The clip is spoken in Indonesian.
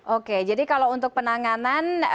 oke jadi kalau untuk penanganan di lingkungan masyarakat